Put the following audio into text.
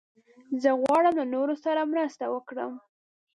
زه غواړم له نورو سره مرسته وکړم.